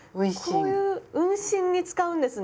こういう運針に使うんですね。